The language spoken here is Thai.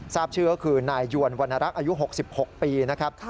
ทราบชื่อก็คือนายยวนวรรณรักษ์อายุ๖๖ปีนะครับ